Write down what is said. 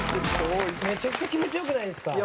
めちゃくちゃ気持ち良くないですか？